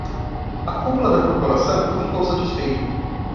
A cúpula da corporação não ficou satisfeita